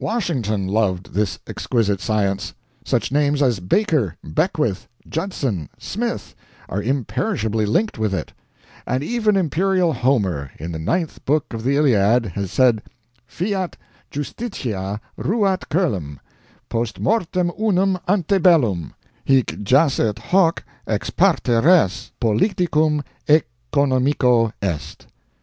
Washington loved this exquisite science; such names as Baker, Beckwith, Judson, Smith, are imperishably linked with it; and even imperial Homer, in the ninth book of the Iliad, has said: Fiat justitia, ruat coelum, Post mortem unum, ante bellum, Hic jacet hoc, ex parte res, Politicum e conomico est.